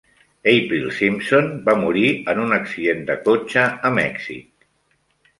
Avril Simpson va morir en un accident de cotxe a Mèxic.